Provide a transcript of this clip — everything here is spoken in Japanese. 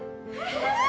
え！